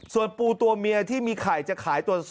ส่วนปูตัวเมียที่มีไข่จะขายตัว๒